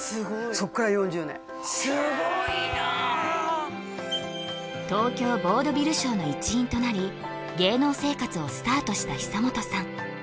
そっから４０年すごいな東京ヴォードヴィルショーの一員となり芸能生活をスタートした久本さん